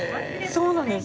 そうなんです。